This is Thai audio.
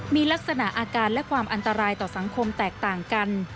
มีลักษณะอาการและความอันตรายต่อสังคมแตกต่างกัน